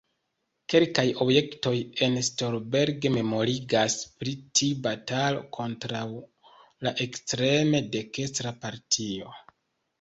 Kelkaj objektoj en Stolberg memorigas pri tiu batalo kontraŭ la ekstreme dekstra partio.